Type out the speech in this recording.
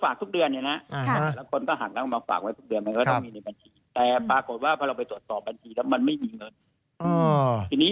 ผู้ที่รับผิดชอบในการเก็บเงิน